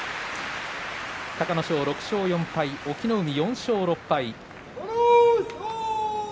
隆の勝、６勝４敗隠岐の海は４勝６敗。